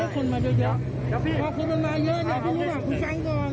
พอคนมาเยอะใช่ครับครับ